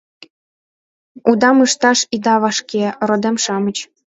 Удам ышташ ида вашке, родем-шамыч!